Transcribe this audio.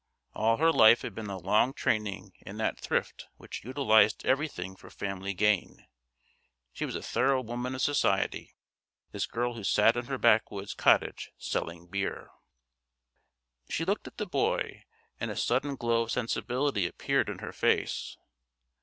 All her life had been a long training in that thrift which utilised everything for family gain. She was a thorough woman of society, this girl who sat in her backwoods cottage selling beer. She looked at the boy, and a sudden glow of sensibility appeared in her face.